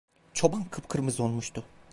Çoban kıpkırmızı olmuştu.